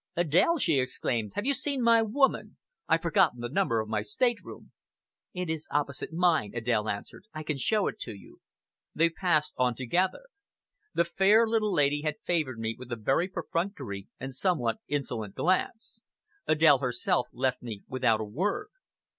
"Adèle!" she exclaimed, "have you seen my woman? I've forgotten the number of my state room." "It is opposite mine," Adèle answered. "I can show it to you." They passed on together. The fair, little lady had favored me with a very perfunctory and somewhat insolent glance; Adèle herself left me without a word.